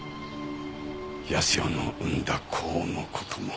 靖代の産んだ子の事も。